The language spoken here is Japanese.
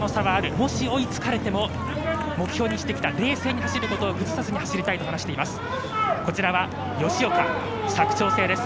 もし追いつかれても目標にしてきた冷静に走ることを崩さずに走りたいと話しています。